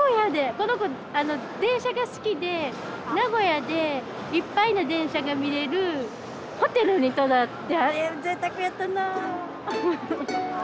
この子あの電車が好きで名古屋でいっぱいの電車が見れるホテルに泊まって。